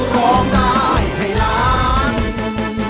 ร้องได้ให้ล้าน